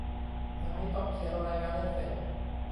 วันนี้ต้องเขียนรายงานให้เสร็จ